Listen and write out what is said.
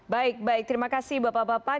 baik baik terima kasih bapak bapak